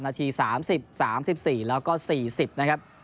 นาที๓๐๓๔แล้วก็๔๐นะครับ